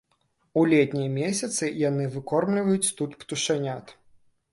У летнія месяцы яны выкормліваюць тут птушанят.